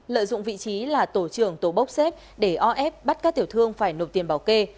lợi dụng vị trí là tổ trưởng tổ bốc xếp để o ép bắt các tiểu thương phải nộp tiền bảo kê